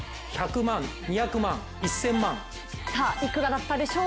１００万、２００万、１０００万？